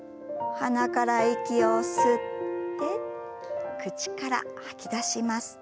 鼻から息を吸って口から吐き出します。